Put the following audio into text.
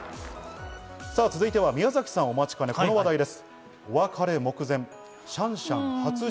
続いては宮崎さんお待ちかね、この話題です。